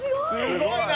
すごいな！